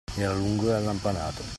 Era lungo e allampanato.